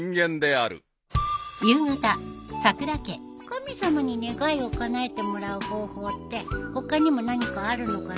神様に願いをかなえてもらう方法って他にも何かあるのかな？